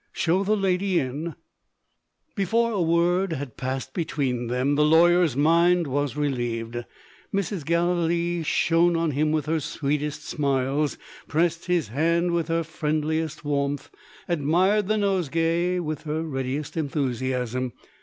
"Show the lady in." Before a word had passed between them, the lawyer's mind was relieved. Mrs. Gallilee shone on him with her sweetest smiles; pressed his hand with her friendliest warmth; admired the nosegay with her readiest enthusiasm.